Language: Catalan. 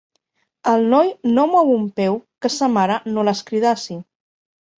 El noi no mou un peu que sa mare no l'escridassi.